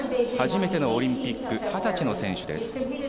初めてのオリンピック、２０歳の選手です。